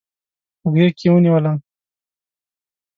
په غیږکې ونیولم